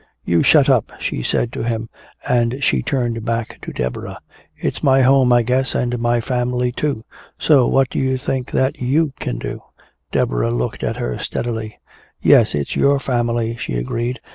"You shut up!" she said to him, and she turned back to Deborah. "It's my home, I guess, and my family, too. So what do you think that you can do?" Deborah looked at her steadily. "Yes, it's your family," she agreed.